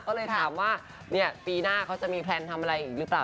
ก็เลยถามว่าปีหน้าเขาจะมีแพลนทำอะไรอีกหรือเปล่า